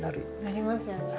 なりますよね。